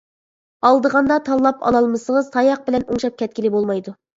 ئالدىغاندا تاللاپ ئالالمىسىڭىز تاياق بىلەن ئوڭشاپ كەتكىلى بولمايدۇ.